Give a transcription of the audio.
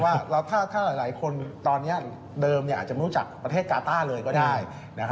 ว่าถ้าหลายคนตอนนี้เดิมอาจจะไม่รู้จักประเทศกาต้าเลยก็ได้